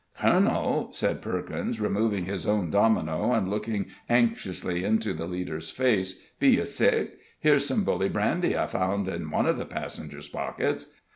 "Colonel," said Perkins, removing his own domino, and looking anxiously into the leader's face, "be you sick? Here's some bully brandy I found in one of the passengers' pockets."